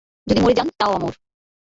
যদি মরে যান, তাও অমর!